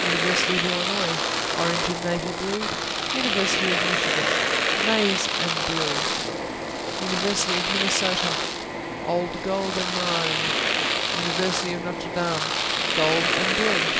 University of Illinois Orange and navy blue. University of Michigan Maize and blue. University of Minnesota Old gold and maroon. University of Notre Dame Gold and blue.